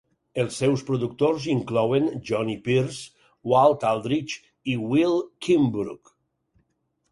Els seus productors inclouen Johnny Pierce, Walt Aldridge i Will Kimbrough.